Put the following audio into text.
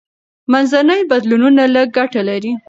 منځني بدلونونه لږه ګټه لري.